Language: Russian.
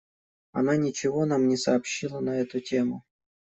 Она ничего нам не сообщила на эту тему.